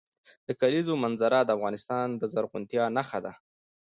د کلیزو منظره د افغانستان د زرغونتیا نښه ده.